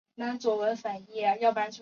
克里翁。